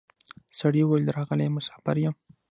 سړي وویل راغلی مسافر یم